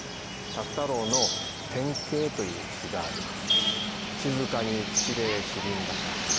朔太郎の「天景」という詩があります。